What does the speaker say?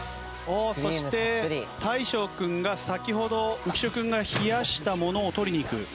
おおそして大昇君が先ほど浮所君が冷やしたものを取りに行く。